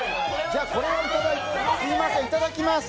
じゃあこれをいただきます。